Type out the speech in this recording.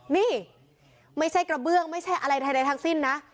นี่ไม่ใช่กระเบื้องไม่ใช่อะไรใดทั้งสิ้นนะ